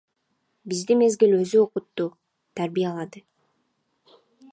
Бизди мезгил өзү окутту, тарбиялады.